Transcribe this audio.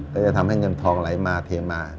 ก็จะทำให้เงินทองไหลมาเทมา